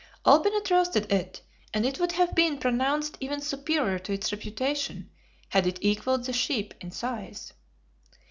Olbinett roasted it, and it would have been pronounced even superior to its reputation had it equaled the sheep in size.